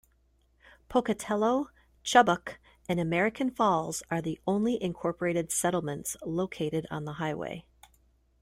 Pocatello, Chubbuck and American Falls are the only incorporated settlements located on the highway.